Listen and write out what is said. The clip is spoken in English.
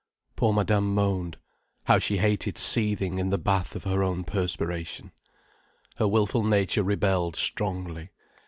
Poor Madame moaned. How she hated seething in the bath of her own perspiration. Her wilful nature rebelled strongly.